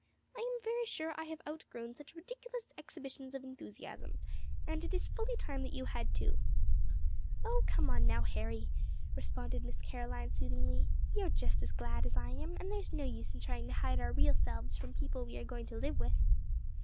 "I am very sure I have outgrown such ridiculous exhibitions of enthusiasm, and it is fully time that you had too." "O, come now, Harry," responded Miss Caroline, soothingly. "You're just as glad as I am, and there's no use in trying to hide our real selves from people we are going to live with."